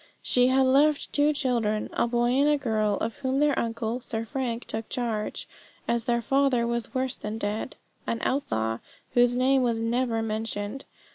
She had left two children, a boy and a girl, of whom their uncle, Sir Frank, took charge, as their father was worse than dead an outlaw whose name was never mentioned.